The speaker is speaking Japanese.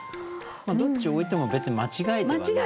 どっちを置いても別に間違いではない？